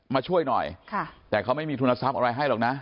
มาช่วยหน่อยแต่เขาไม่มีทุนทรัพย์อะไรให้หรอกนะ